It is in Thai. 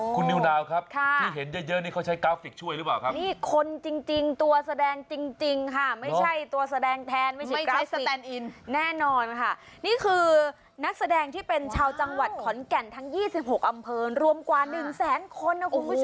คุณนิวนาวครับที่เห็นเยอะเยอะนี่เขาใช้กราฟฟิกช่วยรึเปล่าครับนี่คนจริงจริงตัวแสดงจริงจริงค่ะไม่ใช่ตัวแสดงแทนไม่ใช่กราฟฟิกแน่นอนค่ะนี่คือนักแสดงที่เป็นชาวจังหวัดคอนแก่นทั้งยี่สิบเอ็ดปีครับคุณผู้ชมค่ะคุณผู้ชมค่ะคุณผู้ชมค่ะคุณผู้ชมค่ะคุณผู้ชมค่ะคุณผู้ชมค่ะค